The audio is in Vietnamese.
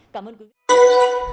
cảm ơn quý vị và các bạn